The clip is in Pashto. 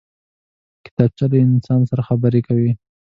کتابچه له انسان سره خبرې کوي